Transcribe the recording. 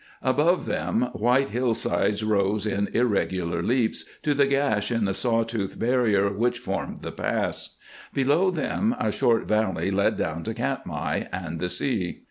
Above them white hillsides rose in irregular leaps to the gash in the saw toothed barrier which formed the pass; below them a short valley led down to Katmai and the sea.